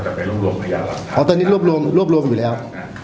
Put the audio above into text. เราก็จะไปรวบรวมอ๋อตอนนี้รวบรวมรวบรวมอยู่แล้ว